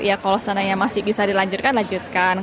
ya kalau seandainya masih bisa dilanjutkan lanjutkan